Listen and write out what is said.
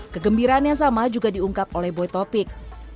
kegembiraan yang sama juga diungkap oleh boy topik